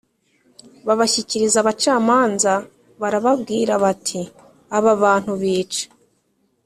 Babashyikiriza abacamanza barababwira bati aba bantu bica